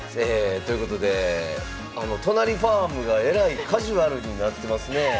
ということで都成ファームがえらいカジュアルになってますねえ。